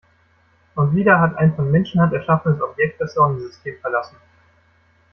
Und wieder hat ein von Menschenhand erschaffenes Objekt das Sonnensystem verlassen.